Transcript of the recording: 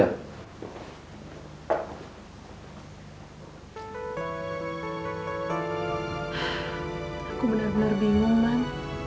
aku benar benar bingung man